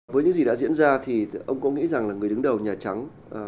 với những gì đã diễn ra thì ông có nghĩ rằng là người đứng đầu nhà trắng